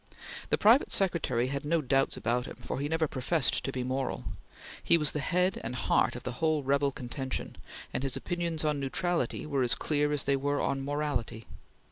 The private secretary had no doubts about him, for he never professed to be moral. He was the head and heart of the whole rebel contention, and his opinions on neutrality were as clear as they were on morality.